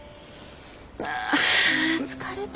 あ疲れた。